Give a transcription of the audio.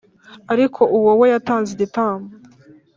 Ariko uwo we yatanze igitambo